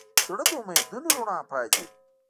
زړه د امیدونو رڼا پالي.